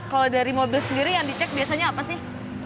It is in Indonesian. kalau dari mobil sendiri yang dicek biasanya apa sih